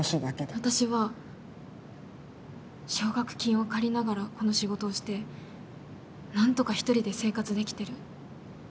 私は奨学金を借りながらこの仕事をしてなんとか一人で生活できてる。